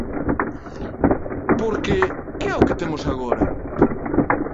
Porque ¿que é o que temos agora?